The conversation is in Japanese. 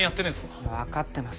わかってます。